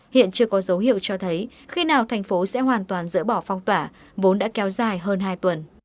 hiện chưa có dấu hiệu cho thấy khi nào thành phố sẽ hoàn toàn dỡ bỏ phong tỏa vốn đã kéo dài hơn hai tuần